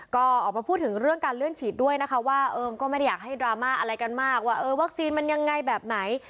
ก็ออกมาพูดถึงเรื่องการเลื่อนฉีดด้วยนะคะว่าก็ไม่ได้อยากให้ดราม่าอะไรกันมากว่าเออวัคซีนมันยังไงแบบไหน